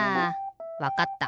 わかった。